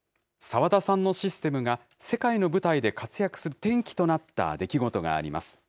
澤田さんのシステムが、世界の舞台で活躍する転機となった出来事があります。